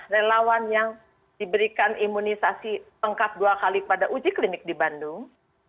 relawan yang diberikan imunisasi lengkap dua kali pada uji klinik di bandung